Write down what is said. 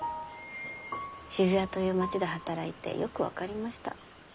渋谷という町で働いてよく分かりました。